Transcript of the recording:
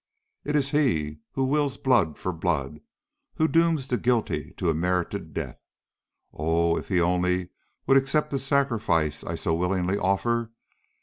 It is He who wills blood for blood; who dooms the guilty to a merited death. Oh, if He only would accept the sacrifice I so willingly offer!